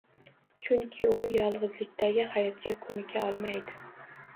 Chunki u yolgʻizlikdagi hayotga koʻnika olmaydi.